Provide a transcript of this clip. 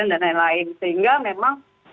dan lain lain sehingga memang